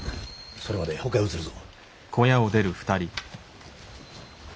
それまでほかへ移るぞ。